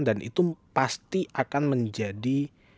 dan itu pasti akan menjadi